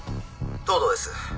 東堂です。